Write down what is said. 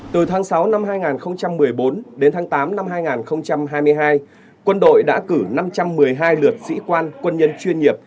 từ tháng sáu năm hai nghìn một mươi bốn đến tháng tám năm hai nghìn hai mươi hai quân đội đã cử năm trăm một mươi hai lượt sĩ quan quân nhân chuyên nghiệp